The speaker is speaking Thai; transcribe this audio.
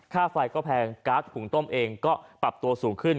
ค่าไฟก็แพงก๊าซหุงต้มเองก็ปรับตัวสูงขึ้น